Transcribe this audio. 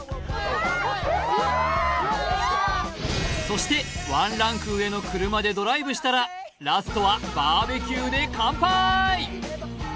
そしてワンランク上の車でドライブしたらラストはＢＢＱで乾杯！